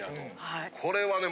これはね